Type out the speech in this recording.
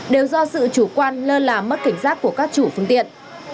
đều do sự chủ quan lơ là mất cảnh giác của các chủ phương tiện